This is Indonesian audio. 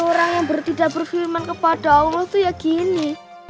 orang yang tidak berfirman kepada allah tuh ya gini